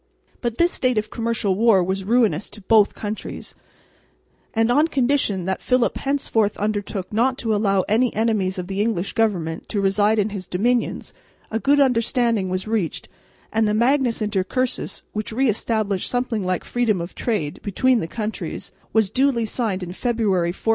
But this state of commercial war was ruinous to both countries; and, on condition that Philip henceforth undertook not to allow any enemies of the English government to reside in his dominions, a good understanding was reached, and the Magnus Intercursus, which re established something like freedom of trade between the countries, was duly signed in February, 1496.